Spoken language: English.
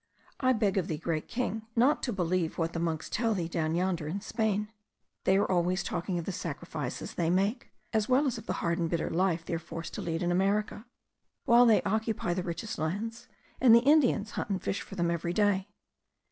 I beg of thee, great King, not to believe what the monks tell thee down yonder in Spain. They are always talking of the sacrifices they make, as well as of the hard and bitter life they are forced to lead in America: while they occupy the richest lands, and the Indians hunt and fish for them every day.